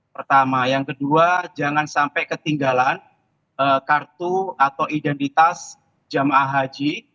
pertama yang kedua jangan sampai ketinggalan kartu atau identitas jemaah haji